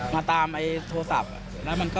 มาตามโทรศัพท์แล้วมันก็